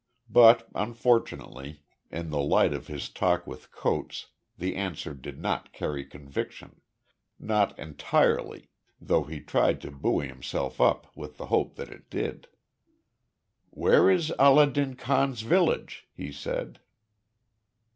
But, unfortunately, in the light of his talk with Coates, the answer did not carry conviction not entirely, though he tried to buoy himself up with the hope that it did. "Where is Allah din Khan's village?" he said.